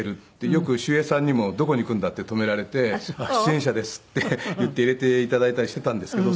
よく守衛さんにも「どこに行くんだ」って止められて「出演者です」って言って入れて頂いたりしていたんですけど。